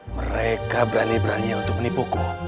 mereka berani beraninya untuk menipuku